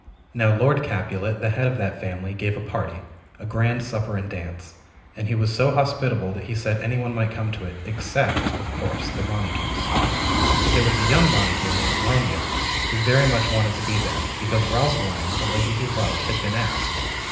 Now Lord Capulet, the head of that family, gave a party — ^a grand supper and dance — and he was so hospitable that he said any one might come to it — except (of course) the Montagues. But there was a young Montagu named Romeo, who very much wanted to be there, because Rosaline, the lady he loved, had been asked.